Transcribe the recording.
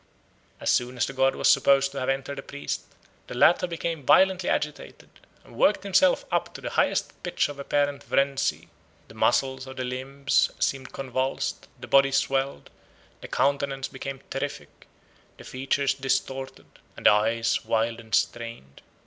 As soon as the god was supposed to have entered the priest, the latter became violently agitated, and worked himself up to the highest pitch of apparent frenzy, the muscles of the limbs seemed convulsed, the body swelled, the countenance became terrific, the features distorted, and the eyes wild and strained.